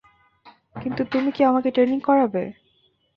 কিন্তু তুমি কি আমাকে ট্রেনিং করাবে?